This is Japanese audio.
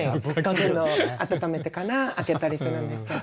温めてから開けたりするんですけど。